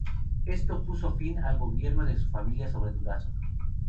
Esto puso fin al gobierno de su familia sobre Durazzo.